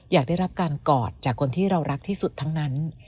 อยากได้รับการกอดจากคนที่เรารักที่สุดทั้งนั้น